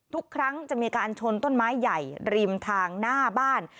ทุกครั้งจะมีการชนต้นไม้ใหญ่ริมทางหน้าบ้าน